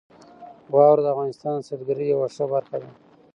واوره د افغانستان د سیلګرۍ یوه ښه برخه ده.